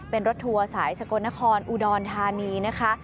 เป็นรถทัวร์สายศักดิ์นครอูดอนธานีนะคะ